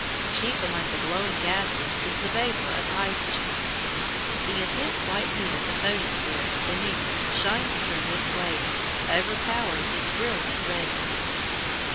Chief among the glowing gases is the vapour of hydrogen. The intense white heat of the photosphere beneath shines through this layer, overpowering its brilliant redness.